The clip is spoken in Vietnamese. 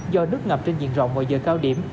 do nước ngập trên diện rộng vào giờ cao điểm